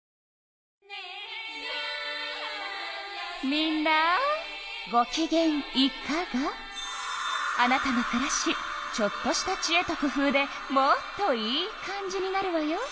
みんなごきげんイカが？あなたのくらしちょっとしたちえとくふうでもっとイカんじになるわよ。